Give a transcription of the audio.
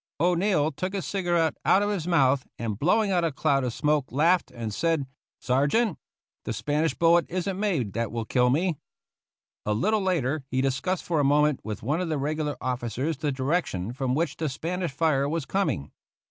O'Neill took his cigarette out of his mouth, and blowing out a 123 THE ROUGH RIDERS cloud of smoke laughed and said, " Sergeant, the Spanish bullet isn't made that will kill me." A little later he discussed for a moment with one of the regular officers the direction from which the Spanish fire was coming.